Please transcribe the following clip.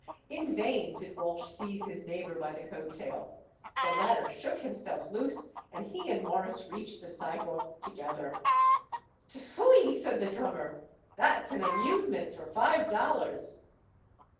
In vain did Walsh seize his neighbor by the coat tail. The latter shook himself loose, and he and Morris reached the sidewalk together. "T'phooie!" said the drummer. "That's an amusement for five dollars."